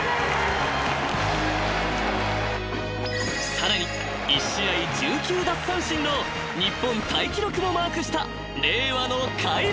［さらに１試合１９奪三振の日本タイ記録もマークした令和の怪物］